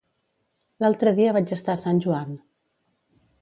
L'altre dia vaig estar a Sant Joan.